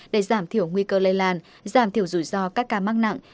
để giảm thiểu nguy cơ lây lan giảm thiểu rủi ro các ca mắc nặng